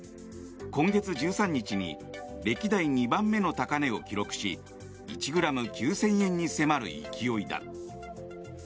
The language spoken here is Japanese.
今月１３日に歴代２番目の高値を記録し１ｇ９０００円に迫る勢いだ。